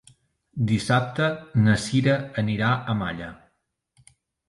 Dissabte na Sira anirà a Malla.